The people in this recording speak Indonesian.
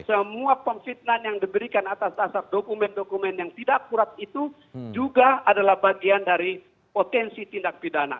semua pemfitnahan yang diberikan atas dasar dokumen dokumen yang tidak akurat itu juga adalah bagian dari potensi tindak pidana